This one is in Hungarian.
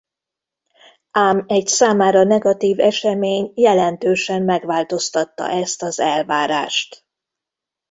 Ám egy számára negatív esemény jelentősen megváltoztatta ezt az elvárást.